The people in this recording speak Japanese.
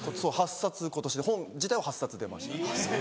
８冊今年で本自体は８冊出ました。